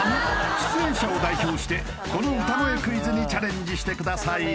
出演者を代表してこの歌声クイズにチャレンジしてください